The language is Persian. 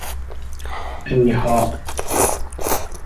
ایحاء